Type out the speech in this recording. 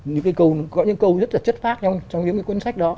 những cái câu rất là chất phát trong những cái cuốn sách đó